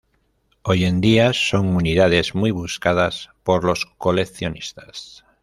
Hoy día son unidades muy buscadas por los coleccionistas.